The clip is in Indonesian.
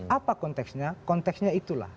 apa konteksnya konteksnya itulah